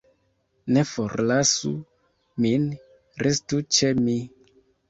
Ne forlasu min, restu ĉe mi!